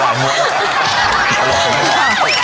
ว่าไงเราต้องดูแบรนด์แล้ว